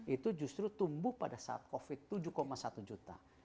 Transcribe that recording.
itu justru tumbuh pada saat covid tujuh satu juta